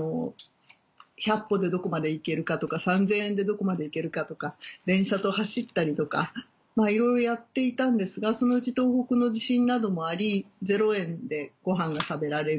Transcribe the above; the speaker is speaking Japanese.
１００歩でどこまで行けるかとか３０００円でどこまで行けるかとか電車と走ったりとかいろいろやっていたんですがそのうち東北の地震などもあり０円でごはんが食べられる。